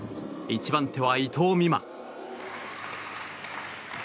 １番手は伊藤美誠。